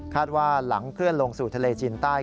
ว่าหลังเคลื่อนลงสู่ทะเลจีนใต้